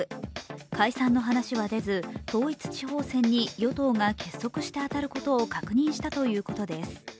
解散の話は出ず、統一地方選に与党が結束してあたることを確認したということです。